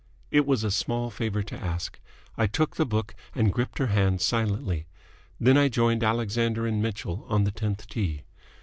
It was a small favour to ask. I took the book and gripped her hand silently. Then I joined Alexander and Mitchell on the tenth tee.